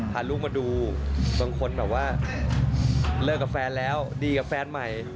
พาลูกมาดูบางคนแบบว่าเลิกกับแฟนแล้วดีกับแฟนใหม่